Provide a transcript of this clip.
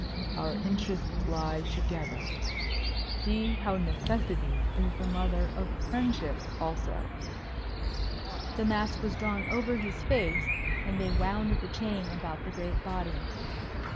Our interests lie together. See how Necessity is the mother of Friendship, also." The mask was drawn over his face, and they wound the chain about the great body.